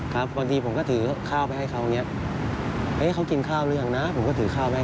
ครับบางทีผมก็ถือข้าวไปให้เขาอย่างนี้